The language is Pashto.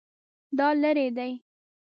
دا لیرې دی؟